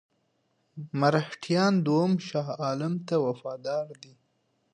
مرهټیان دوهم شاه عالم ته وفادار دي.